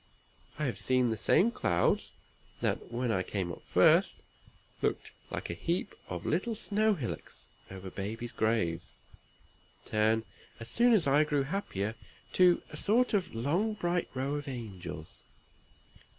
I have seen the same clouds, that, when I came up first, looked like a heap of little snow hillocks over babies' graves, turn, as soon as I grew happier, to a sort of long bright row of angels.